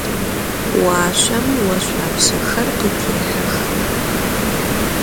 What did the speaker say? Vuaşsom voşsuapşexer khıtêhex.